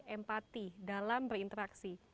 empati dalam berinteraksi